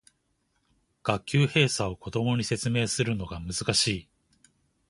学級閉鎖を子供に説明するのが難しい